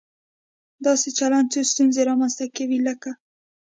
داسې چلن څو ستونزې رامنځته کوي، لکه